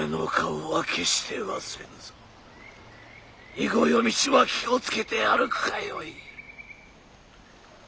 以後夜道は気を付けて歩くがよい」。